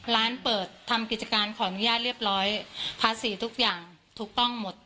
ร้านเปิดทำกิจการขออนุญาตเรียบร้อยภาษีทุกอย่างถูกต้องหมด